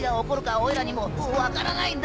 オイラにも分からないんだ。